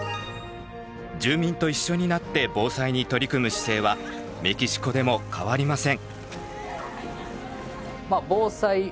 住民と一緒になって防災に取り組む姿勢はメキシコでも変わりません。